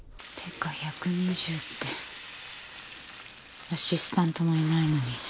ってか１２０ってアシスタントもいないのに。